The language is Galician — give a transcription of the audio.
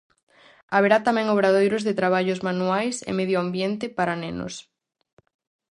Haberá tamén obradoiros de traballos manuais e medio ambiente, para nenos.